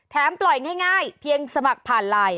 ปล่อยง่ายเพียงสมัครผ่านไลน์